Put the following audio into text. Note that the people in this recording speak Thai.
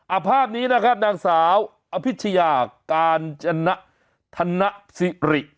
ภาพนี้นะครับนางสาวอภิชยากาญจนธนสิริ